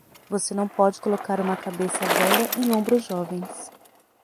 Você não pode colocar uma cabeça velha em ombros jovens.